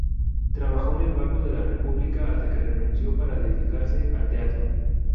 Trabajó en el Banco de la República hasta que renunció para dedicarse al teatro.